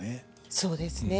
そうですね。